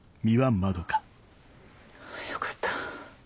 よかった。